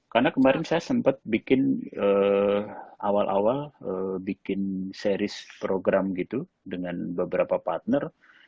karena kemarin saya sempat bikin awal awal bikin series program gitu dengan beberapa partner